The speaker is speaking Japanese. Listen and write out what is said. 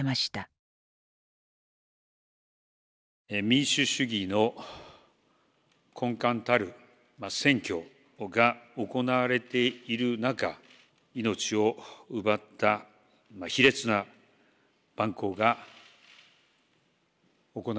民主主義の根幹たる選挙が行われている中命を奪った卑劣な蛮行が行われた。